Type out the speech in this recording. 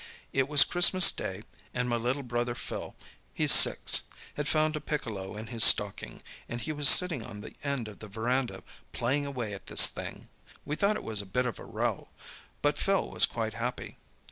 It was Christmas day, and my little brother Phil—he's six—had found a piccolo in his stocking, and he was sitting on the end of the verandah playing away at this thing. We thought it was a bit of a row, but Phil was quite happy.